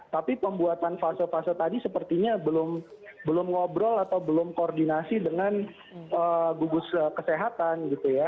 tapi pembuatan fase fase tadi sepertinya belum ngobrol atau belum koordinasi dengan gugus kesehatan gitu ya